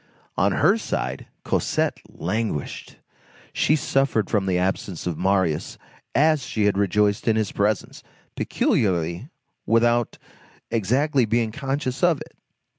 On her side, Cosette languished. She suffered from the absence of Marius as she had rejoiced in his presence, peculiarly, without exactly being conscious of it.